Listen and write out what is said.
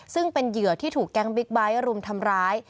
ซึ่งเป็นเหยื่อที่ถูกแก๊งบิ๊กไบท์รุมทำร้าย